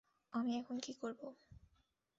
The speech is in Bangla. আমি এখন কী করব?